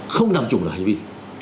không làm chủng được hành vi